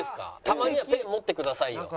たまにはペン持ってくださいよ。